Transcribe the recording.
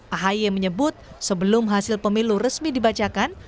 ahy menyebut sebelum hasil pemilu resmi dibacakan